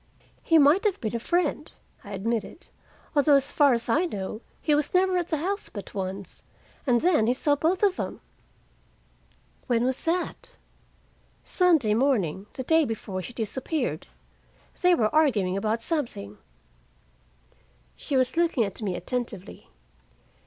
"He might have been a friend," I admitted. "Although, as far as I know, he was never at the house but once, and then he saw both of them." "When was that?" "Sunday morning, the day before she disappeared. They were arguing something." She was looking at me attentively.